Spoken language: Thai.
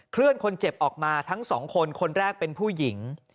เคลื่อนคนเจ็บออกมาทั้งสองคนคนแรกเป็นผู้หญิง